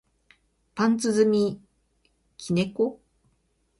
パンツ積み木猫